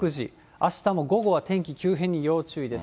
あしたも午後は天気急変に要注意です。